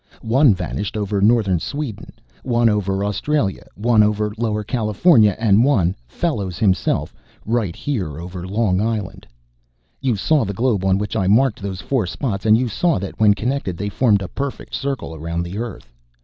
"One vanished over northern Sweden, one over Australia, one over Lower California, and one, Fellows, himself, right here over Long Island. You saw the globe on which I marked those four spots, and you saw that when connected they formed a perfect circle around the Earth.